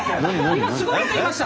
今すごいこと言いました。